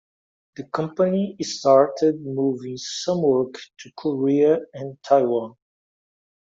The company started moving some work to Korea and Taiwan.